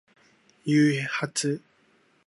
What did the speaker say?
夕張